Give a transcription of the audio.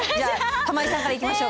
玉井さんからいきましょうか。